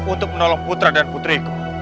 untuk menolong putra dan putriku